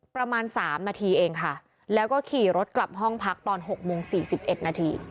ประมาณสามนาทีเองค่ะแล้วก็ขี่รถกลับห้องพักตอนหกโมงสี่สิบเอ็ดนาที